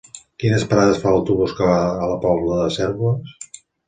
Quines parades fa l'autobús que va a la Pobla de Cérvoles?